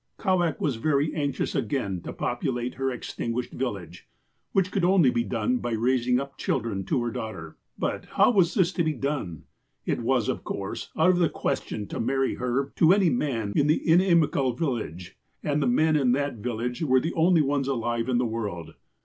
" Kowak was very anxious again to populate her extin guished village, which could only be done by raising up children to her daughter. But, how was this to be done 1 It was, of course, out of the question to marry her to any man in the inimical village, and the men in that village were the only ones alive in the world.